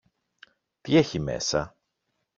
Τι έχει μέσα!